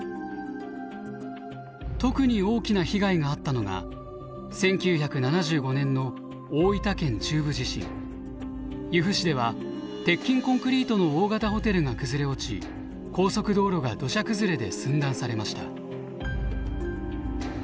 特に大きな被害があったのが由布市では鉄筋コンクリートの大型ホテルが崩れ落ち高速道路が土砂崩れで寸断されました。